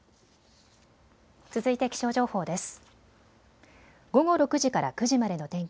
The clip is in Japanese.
続いて気象情報です。